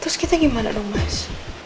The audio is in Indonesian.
terus kita gimana dong mas